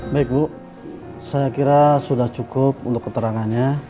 baik bu saya kira sudah cukup untuk keterangannya